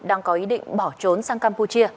đang có ý định bỏ trốn sang campuchia